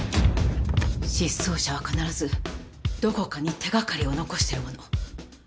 失踪者は必ずどこかに手掛かりを残しているもの